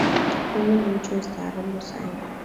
Mimi ni mtu mstaarabu sana